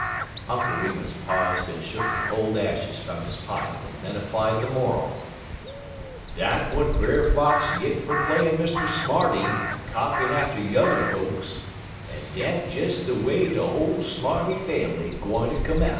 Uncle Remus paused and shook the cold ashes from his pipe, and then applied the moral: "Dat w'at Brer Fox git fer playin' Mr. Smarty en copyin' atter yuther foks, en dat des de way de whole Smarty fambly gwine ter come out."